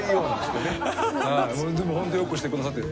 でも本当よくしてくださってる。